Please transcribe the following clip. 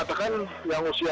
jadi pergantiannya menyeluruh ya